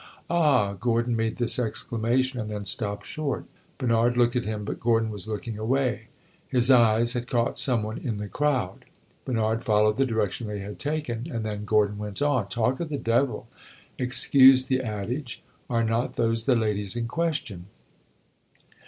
"Ah!" Gordon made this exclamation, and then stopped short. Bernard looked at him, but Gordon was looking away; his eyes had caught some one in the crowd. Bernard followed the direction they had taken, and then Gordon went on: "Talk of the devil excuse the adage! Are not those the ladies in question?"